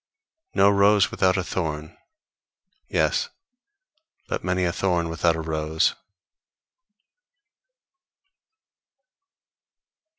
No rose without a thorn. Yes, but many a thorn without a rose.